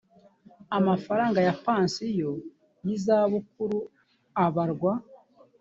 amafaranga ya pansiyo y izabukuru abarwa